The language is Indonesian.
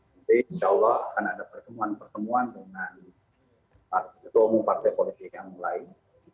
jadi insya allah akan ada pertemuan pertemuan dengan ketua umum partai politik yang lain